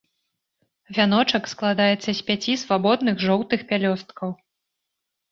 Вяночак складаецца з пяці свабодных жоўтых пялёсткаў.